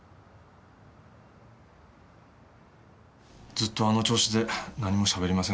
ずっとあの調子で何もしゃべりません。